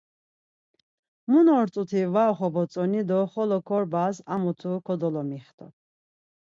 Mun ort̆uti var oxobotzoni do, xolo korbas ar mutu kodolomixtu.